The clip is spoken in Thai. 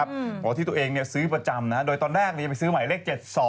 บอกว่าถ้าตัวเองซื้อประจำนะโดยตอนแรกเดี๋ยวสือใหม่เลข๗๒